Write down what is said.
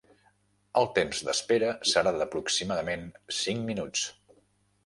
El temps d'espera serà d'aproximadament cinc minuts.